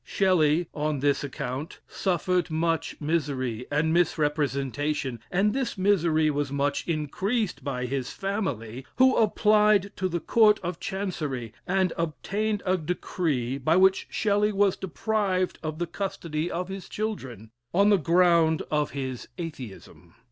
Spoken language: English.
Shelley, on this account, suffered much misery and misrepresentation, and this misery was much increased by his family, who applied to the Court of Chancery, and obtained a decree, by which Shelley was deprived of the custody of his children, on the ground of his Atheism.